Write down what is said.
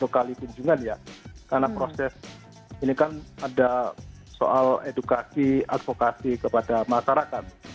karena proses ini kan ada soal edukasi advokasi kepada masyarakat